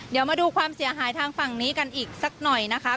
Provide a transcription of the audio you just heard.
เดี๋ยวมาดูความเสียหายทางฝั่งนี้กันอีกสักหน่อยนะคะ